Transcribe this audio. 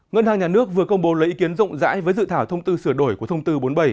ngân hàng nhà nước vừa công bố lấy ý kiến rộng rãi với dự thảo thông tư sửa đổi của thông tư bốn mươi bảy